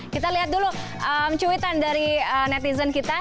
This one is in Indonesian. kita lihat dulu cuitan dari netizen kita